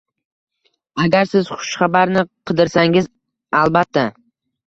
Agar siz xushxabarni qidirsangiz, albatta